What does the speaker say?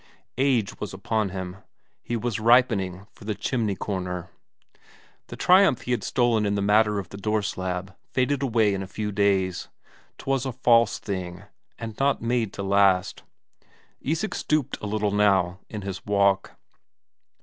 Age was upon him, he was ripening for the chimney corner. The triumph he had stolen in the matter of the door slab faded away in a few days; 'twas a false thing, and not made to last. Isak stooped a little now in his walk.